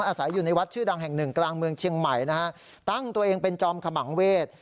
อาศัยอยู่ในวัดชื่อดังแห่งหนึ่งกลางเมืองเชียงใหม่นะฮะตั้งตัวเองเป็นจอมขมังเวศ